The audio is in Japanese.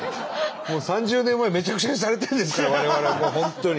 ３０年前めちゃくちゃにされてるんですから我々はもう本当に。